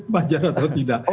wajar atau tidak